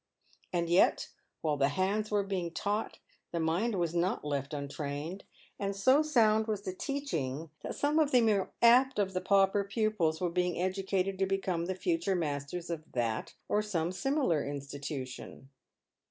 And yet, while the hands were being taught, the mind was not left untrained ; and so sound was the teaching, that some of ■ the more apt of the pauper pupils were being educated to become the I future masters of that or some similar institution.